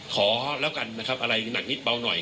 ขอแล้วกันนะครับอะไรหนักนิดเบาหน่อย